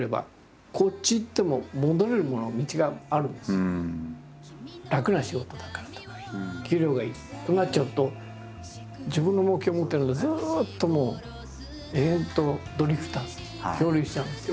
やっぱり「楽な仕事だから」とか「給料がいい」となっちゃうと自分の目標を持ってないとずっともう延々とドリフターズ漂流しちゃうんですよ。